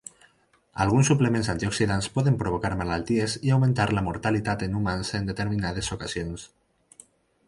Alguns suplements antioxidants poden provocar malalties i augmentar la mortalitat en humans en determinades condicions.